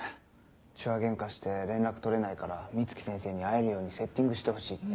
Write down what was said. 痴話ゲンカして連絡取れないから美月先生に会えるようにセッティングしてほしいって。